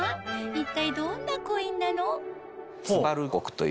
一体どんなコインなの？